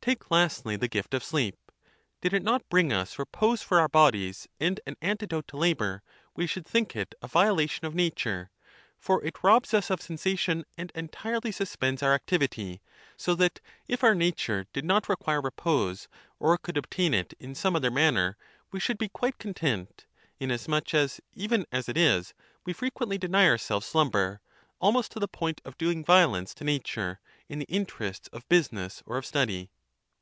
Take lastly the gift of sleep : did it not bring us repose for our bodies and an antidote to labour, we should think it a viola tion of nature, for it robs us of sensation and entirely suspends our activity ; so that if our nature did not require repose or could obtain it in some other man ner, we should be quite content, inasmuch as even as it is we frequently deny ourselves slumber, almost to the point of doing violence to nature, in the in terests of business or of study.